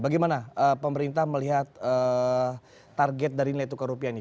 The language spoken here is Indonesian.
bagaimana pemerintah melihat target dari nilai tukar rupiah ini